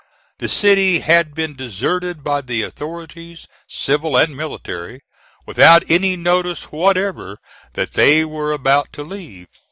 The city had been deserted by the authorities, civil and military, without any notice whatever that they were about to leave.